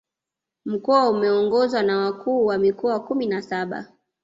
Mkoa umeongozwa na Wakuu wa Mikoa kumi na saba